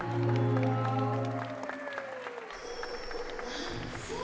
あっつい！